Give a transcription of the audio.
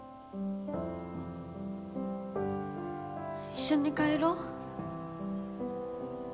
一緒に帰ろう。